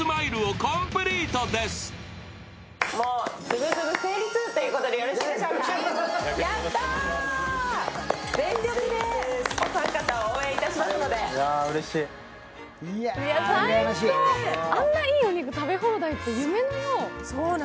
最高、あんないいお肉食べ放題って夢のよう。